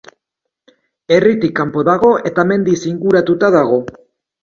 Herritik kanpo dago, eta mendiz inguratuta dago.